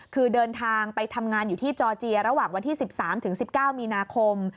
คือเดินทางไปทำงานอยู่ที่จอร์เจียระหว่างวันที่๑๓๑๙มีนาคม